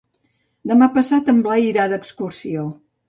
Demà passat en Blai irà d'excursió.